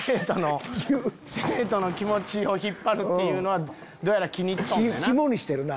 生徒の気持ちを引っ張るっていうのはどうやら気に入っとんのやな。